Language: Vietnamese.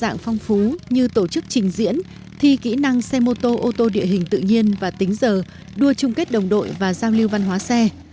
đa dạng phong phú như tổ chức trình diễn thi kỹ năng xe mô tô ô tô địa hình tự nhiên và tính giờ đua chung kết đồng đội và giao lưu văn hóa xe